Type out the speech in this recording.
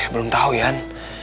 belum tau ya an